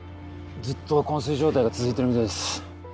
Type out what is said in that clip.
ずっと昏睡状態が続いてるみたいです。